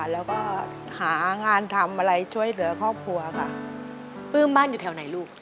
แล้วก็หางานทำอะไรช่วยเหลือครอบครัวค่ะปลื้มบ้านอยู่แถวไหนลูก